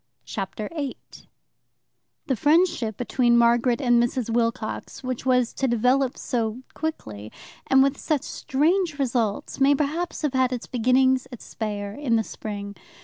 Chapter 8 The friendship between Margaret and Mrs. Wilcox, which was to develop so quickly and with such strange results, may perhaps have had its beginnings at Speyer, in the spring.